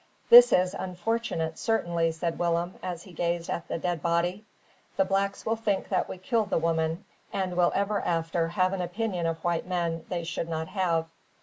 "This is unfortunate, certainly," said Willem; as he gazed at the dead body. "The blacks will think that we killed the woman, and will ever after have an opinion of white men they should not have.